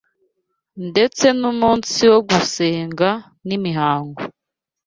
Ndetse n’umunsi wo gusenga n’imihango